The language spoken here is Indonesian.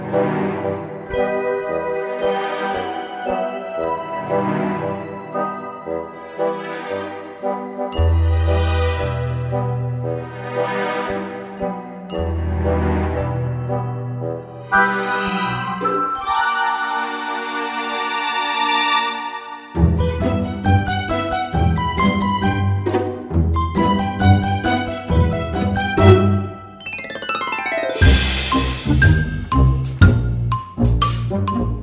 tidak tuhan ya aku